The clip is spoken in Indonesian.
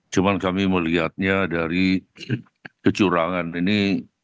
cuma kami melihatnya dari kecurangan ini